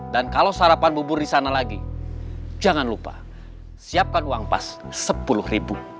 dan kalau sarapan bubur disana lagi jangan lupa siapkan uang pas sepuluh ribu